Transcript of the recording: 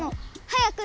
早く！